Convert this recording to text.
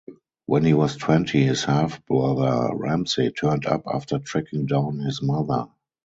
When he was twenty, his half-brother, Ramsay, turned up after tracking down his mother.